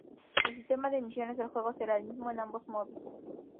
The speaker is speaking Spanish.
El sistema de misiones del juego será el mismo en ambos modos.